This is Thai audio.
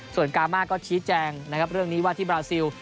ส่วนกามาก็ชี้แจงนะครับเรื่องนี้ว่าที่บราซิล